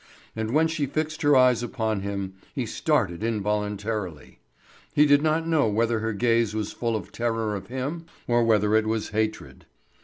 And when she fixed her eyes upon him he started involuntarily. He did not know whether her gaze was full of terror of him, or whether it was hatred.